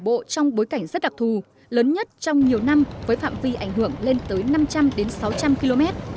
bão số một mươi đổ bộ trong bối cảnh rất đặc thù lớn nhất trong nhiều năm với phạm vi ảnh hưởng lên tới năm trăm linh sáu trăm linh km